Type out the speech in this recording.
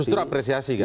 justru apresiasi kan